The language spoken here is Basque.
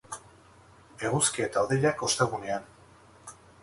Eguzkia eta hodeiak ostegunean.